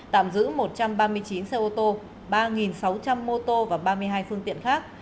tạm giữ một trăm ba mươi chín xe ô tô ba sáu trăm linh mô tô và ba mươi hai phương tiện khác